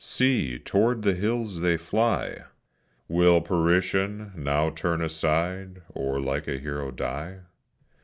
See, toward the hills they fly! Will Periton now turn aside, or like a hero die?